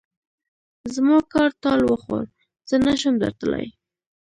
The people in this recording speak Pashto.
زما کار ټال وخوړ؛ زه نه شم درتلای.